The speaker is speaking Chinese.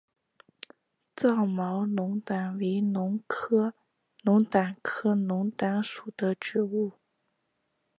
糙毛龙胆为龙胆科龙胆属的植物。